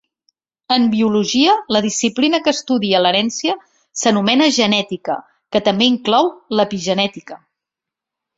En biologia, la disciplina que estudia l'herència s'anomena genètica, que també inclou l'epigenètica.